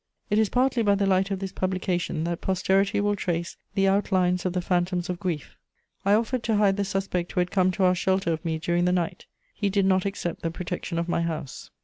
It is partly by the light of this publication that posterity will trace the outlines of the phantoms of grief. I offered to hide the suspect who had come to ask shelter of me during the night; he did not accept the protection of my house.